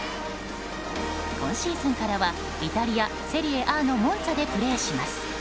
今シーズンからはイタリア・セリエＡのモンツァでプレーします。